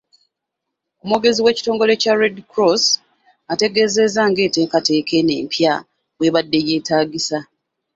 Omwogezi w'ekitongole kya Red Cross, ategeezezza ng'enteekateeka eno empya bw'ebadde yeetaagisa .